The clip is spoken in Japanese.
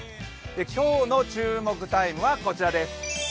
今日の注目タイムはこちらです。